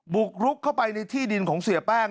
บุกรุกเข้าไปในที่ดินของเสียแป้ง